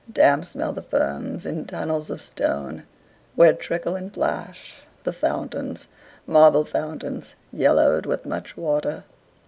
Damp smell the ferns in tunnels of stone, Where trickle and plash the fountains, Marble fountains, yellowed with much water.